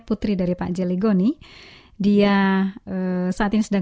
ku datang padamu tuhan